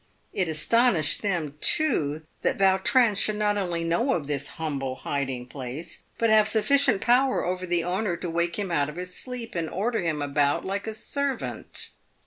It astonished them, too, that Vautrin should not only know of this humble hiding place, but have sufficient power over the owner to wake him out of his sleep and order him about like a servant.